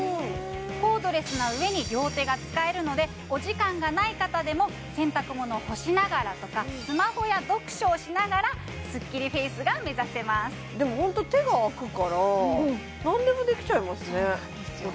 コードレスなうえに両手が使えるのでお時間がない方でも洗濯物を干しながらとかスマホや読書をしながらスッキリフェイスが目指せますでもホントそうなんですよ